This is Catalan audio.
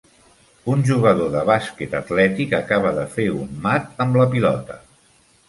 Un jugador de bàsquet atlètic acaba de fer un mat amb la pilota